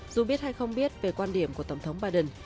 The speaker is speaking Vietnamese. dù biết hay không biết về quan điểm của tổng thống biden